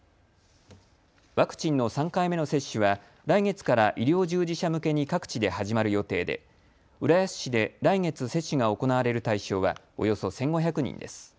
ワクチンの３回目の接種は来月から医療従事者向けに各地で始まる予定で浦安市で来月、接種が行われる対象はおよそ１５００人です。